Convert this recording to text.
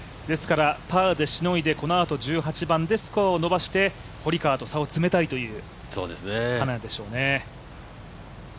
パーでしのいで、このあと１８番でスコアを伸ばして堀川と差を詰めたいという金谷でしょうね。